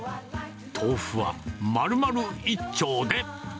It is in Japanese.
豆腐はまるまる一丁で。